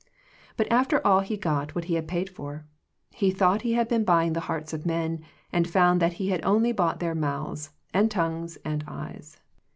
But after all he got what he had paid for. He thought he had been buying the hearts of men, and found that he had only bought their mouths, and tongues, and eyes.